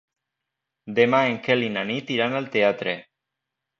Demà en Quel i na Nit iran al teatre.